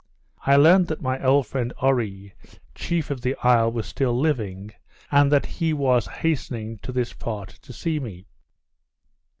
I learnt that my old friend Oree, chief of the isle, was still living, and that he was hastening to this part to see me.